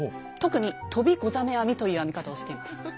特に「飛びござ目編み」という編み方をしています。